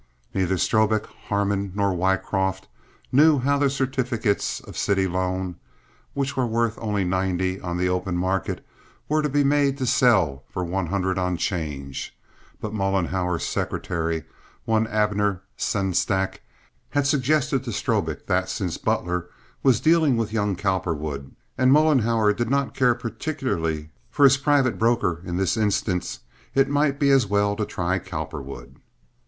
Neither Strobik, Harmon, nor Wycroft knew how the certificates of city loan, which were worth only ninety on the open market, were to be made to sell for one hundred on 'change, but Mollenhauer's secretary, one Abner Sengstack, had suggested to Strobik that, since Butler was dealing with young Cowperwood and Mollenhauer did not care particularly for his private broker in this instance, it might be as well to try Cowperwood.